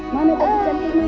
mana tadi cantiknya